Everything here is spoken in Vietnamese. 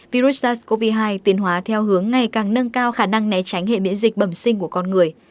virus sars cov hai tiến hóa theo hướng ngày càng nâng cao khả năng né tránh hệ miễn dịch bẩm sinh của con người